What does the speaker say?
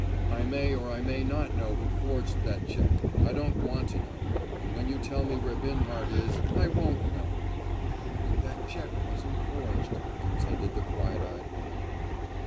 "I may or I may not know who forged that check. I don't want to know. And when you tell me where Binhart is, I won't know." "That check wasn't forged," contended the quiet eyed woman.